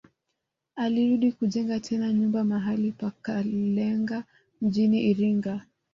Alirudi kujenga tena nyumba mahali pa Kalenga mjini Iringa